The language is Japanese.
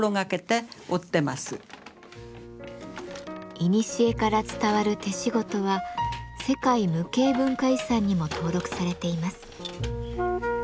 いにしえから伝わる手仕事は世界無形文化遺産にも登録されています。